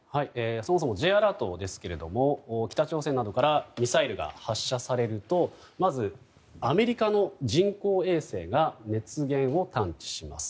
そもそもＪアラートですが北朝鮮などからミサイルが発射されるとまずアメリカの人工衛星が熱源を探知します。